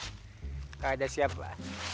tidak ada siapa